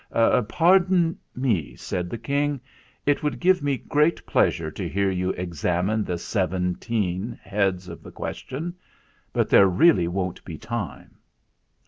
"Pardon me," said the King. "It would give me great pleasure to hear you examine the seventeen heads of the question, but there really won't be time."